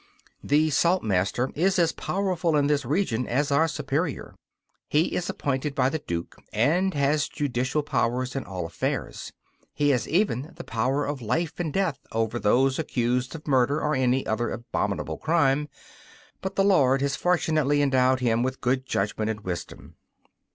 The Saltmaster is as powerful in this region as our Superior. He is appointed by the Duke and has judicial powers in all affairs. He has even the power of life and death over those accused of murder or any other abominable crime. But the Lord has fortunately endowed him with good judgment and wisdom.